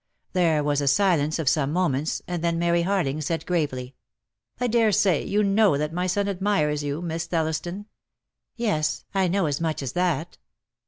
There was a silence of some moments and then Maiy Harling said gravely : "I daresay you know that my son admires you. Miss Thelliston?" "Yes, I know as much as that."